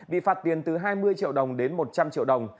bị phạt tiền từ hai mươi triệu đồng đến một triệu đồng